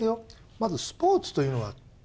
まずスポーツというのは。